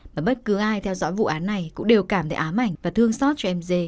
mà bất cứ ai theo dõi vụ án này cũng đều cảm thấy ám ảnh